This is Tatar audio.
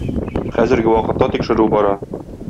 Хәзерге вакытта тикшерү бара.